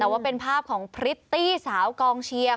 แต่ว่าเป็นภาพของพริตตี้สาวกองเชียร์